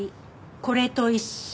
これと一緒。